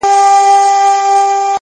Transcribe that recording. o چي پاڼه وشړېدل؛